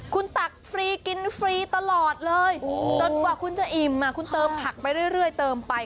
คุณตักฟรีกินฟรีตลอดเลยจนกว่าคุณจะอิ่มคุณเติมผักไปเรื่อยเติมไป